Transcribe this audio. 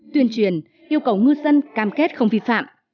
tuyên truyền yêu cầu ngư dân cam kết không vi phạm